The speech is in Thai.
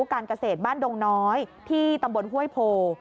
การเกษตรบ้านดงน้อยที่ตำบลห้วยโพ